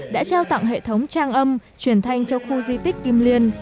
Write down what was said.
đã trao tặng hệ thống trang âm truyền thanh cho khu di tích kim liên